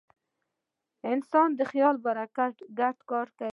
انسان د خیال په برکت ګډ کار کوي.